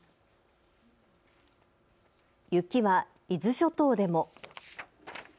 雪は伊豆諸島でも。